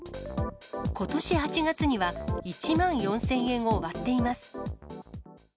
ことし８月には、１万４０００円を割っています。